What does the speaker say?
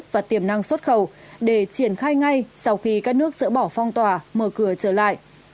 và tiềm năng xuất khẩu để triển khai ngay sau khi các nước dỡ bỏ phong tỏa mở cửa trở lại